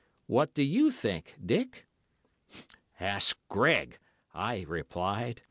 What do you think, Dick?' "'Ask Greg,' I replied.